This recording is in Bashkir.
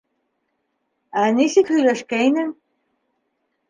— Ә нисек һөйләшкәйнең?